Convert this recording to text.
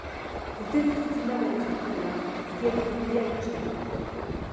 Urtero itzultzen da bere jaioterrira, hiria eta familia ikustera.